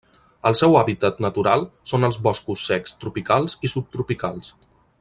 El seu hàbitat natural són els boscos secs tropicals i subtropicals.